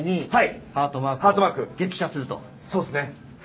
そうっすね。